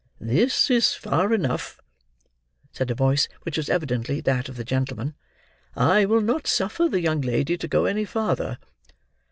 "This is far enough," said a voice, which was evidently that of the gentleman. "I will not suffer the young lady to go any farther.